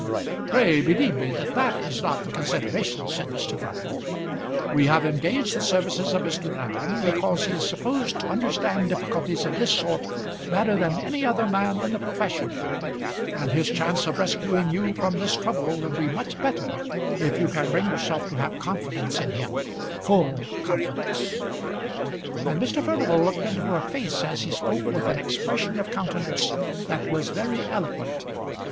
"Pray believe me that that is not the consideration," said Mr. Furnival. "We have engaged the services of Mr. Aram because he is supposed to understand difficulties of this sort better than any other man in the profession, and his chance of rescuing you from this trouble will be much better if you can bring yourself to have confidence in him full confidence." And Mr. Furnival looked into her face as he spoke with an expression of countenance that was very eloquent.